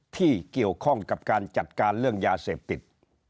ที่เกี่ยวข้องกับการจัดการเรื่องยาเสพติด